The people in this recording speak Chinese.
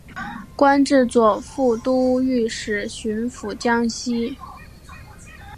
官至左副都御史巡抚江西。